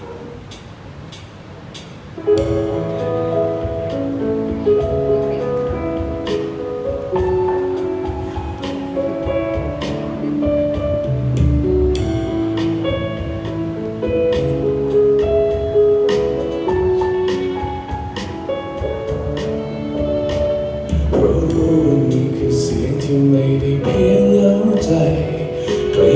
เพราะรู้ว่านี่คือเสียงที่ไม่ได้เพียงเหงาใจ